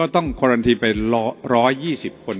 ต้องกรันทีไป๑๒๐คน